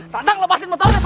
tatang lepasin motornya